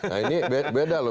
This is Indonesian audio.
nah ini beda loh